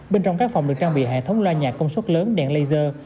bên trong các phòng được trang bị hệ thống loa nhà công suất lớn đèn laser